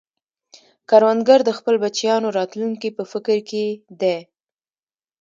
کروندګر د خپلو بچیانو راتلونکې په فکر کې دی